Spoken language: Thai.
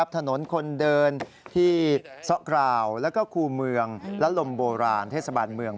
ถนนคนเดินที่ซ้อกราวแล้วก็คู่เมืองและลมโบราณเทศบาลเมือง